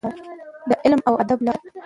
د علم او ادب لاره.